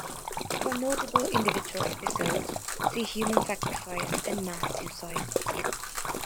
For notable individual episodes, see Human sacrifice and mass suicide.